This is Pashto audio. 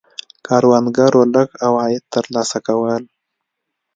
کروندګرو لږ عواید ترلاسه کول.